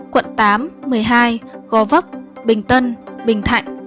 quận tám một mươi hai gò vấp bình tân bình thạnh